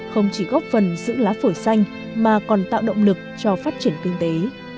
không chỉ góp phần giữ lá phổi xanh mà còn tạo động lực cho phát triển kinh tế